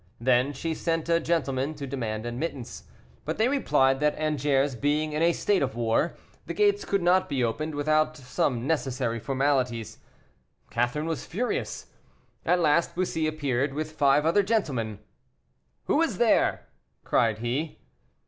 Then she sent a gentleman to demand admittance, but they replied that Angers being in a state of war, the gates could not be opened without some necessary formalities. Catherine was furious. At last Bussy appeared, with five other gentlemen. "Who is there?" cried he.